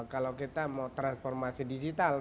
kalau kita mau transformasi digital